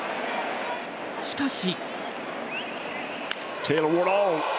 しかし。